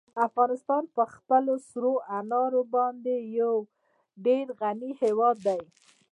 افغانستان په خپلو سرو انارو باندې یو ډېر غني هېواد دی.